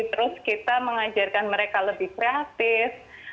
terus kita mengajarkan mereka lebih kreatif